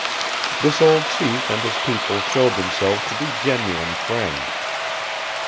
This old chief and his people showed themselves to be genuine friends.